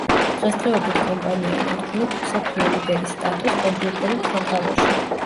დღესდღეობით კომპანია ინარჩუნებს მსოფლიო ლიდერის სტატუსს კომპიუტერულ სამყაროში.